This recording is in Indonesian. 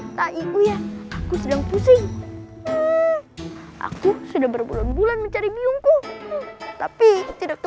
itu ya aku sadness si aku sudah berbulan buluan mencari nya until ini machine